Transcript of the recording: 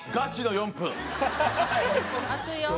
熱いよ。